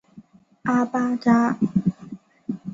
阿巴扎。